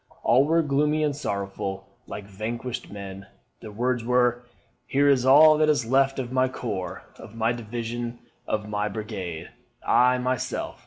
All were gloomy and sorrowful, like vanquished men. Their words were, 'Here is all that is left of my corps, of my division, of my brigade. I, myself.'